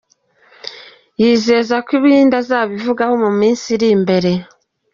Yizeza ko ibindi azabivugaho mu minsi iri imbere.